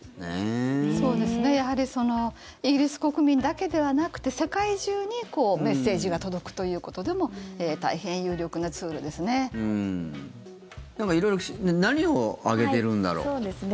やはりイギリス国民だけではなくて世界中にメッセージが届くということでも大変有力なツールですね。